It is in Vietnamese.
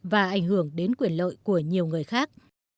và ảnh hưởng đến quyền lợi của nhiều người khác